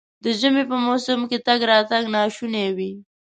د ژمي په موسم کې تګ راتګ ناشونی وي.